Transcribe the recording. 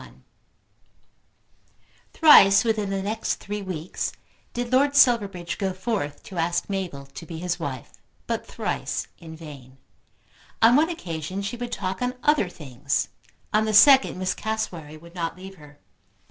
1 Thrice within the next three weeks did Lord Silverbridge go forth to ask Mabel to be his wife, but thrice in vain. On one occasion she would talk on other things. On the second Miss Cassewary would not leave her.